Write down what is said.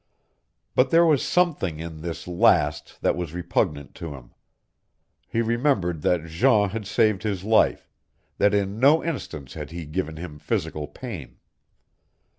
But there was something in this last that was repugnant to him. He remembered that Jean had saved his life, that in no instance had he given him physical pain.